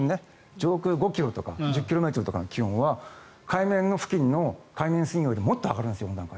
上空５ｋｍとか１０ｋｍの気温は海面の付近の海面水温よりももっと上がるんです。